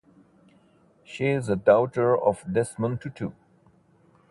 She is the daughter of Desmond Tutu.